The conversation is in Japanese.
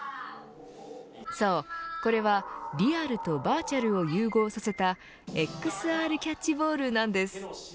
そう、これはリアルとバーチャルを融合させたＸＲキャッチボールなんです。